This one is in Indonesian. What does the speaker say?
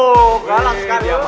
oh galak sekali